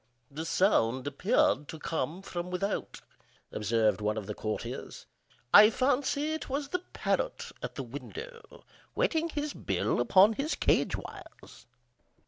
"The sound appeared to come from without," observed one of the courtiers. "I fancy it was the parrot at the window, whetting his bill upon his cage wires."